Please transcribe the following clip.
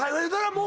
もう。